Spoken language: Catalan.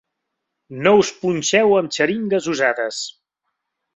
No us punxeu amb xeringues usades.